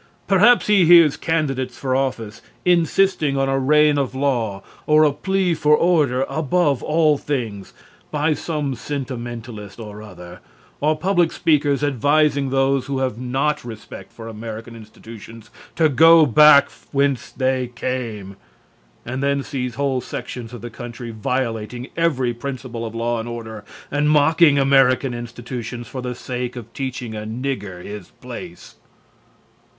Perhaps he hears candidates for office insisting on a reign of law or a plea for order above all things, by some sentimentalist or other, or public speakers advising those who have not respect for American institutions to go back whence they came, and then sees whole sections of the country violating every principle of law and order and mocking American institutions for the sake of teaching a "nigger" his place.